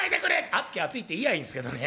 熱きゃ熱いって言やあいいんですけどね。